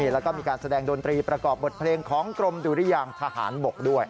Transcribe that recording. แล้วก็มีการแสดงดนตรีประกอบบทเพลงของกรมดุริยางทหารบกด้วย